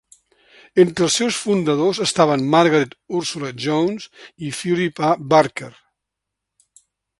Entre els seus fundadors estaven Margaret Ursula Jones i Phillip A. Barker.